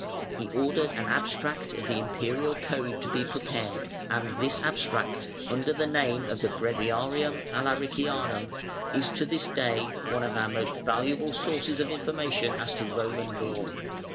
He ordered an abstract of the Imperial Code to be prepared, and this abstract, under the name of the Breviarium Alaricianum is to this day one of our most valuable sources of information as to Roman Law.